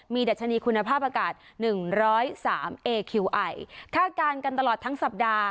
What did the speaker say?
ดัชนีคุณภาพอากาศหนึ่งร้อยสามเอคิวไอคาดการณ์กันตลอดทั้งสัปดาห์